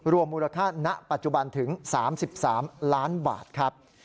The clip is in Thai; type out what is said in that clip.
รวมอุราคาณะปัจจุบันถึง๓๓ล้านบาทครับ